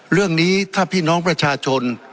เรื่องนี้ถ้าพี่น้องประชาชน